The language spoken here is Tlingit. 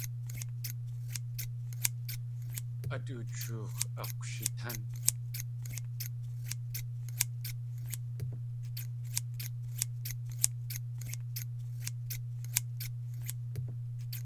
At uchoox̲ akwshitán.